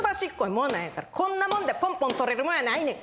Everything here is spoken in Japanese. もんなんやからこんなもんでポンポン捕れるもんやないねん。